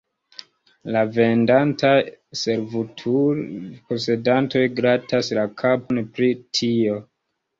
La vendantaj servutul-posedantoj gratas la kapon pri tio.